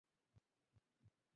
তোর নিজেকে সংযত করা উচিত।